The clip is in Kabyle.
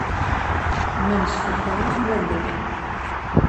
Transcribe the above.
Ma nestufa, ad t-nalel.